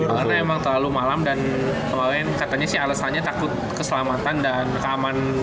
karena emang terlalu malem dan kemarin katanya sih alasannya takut keselamatan dan keamanan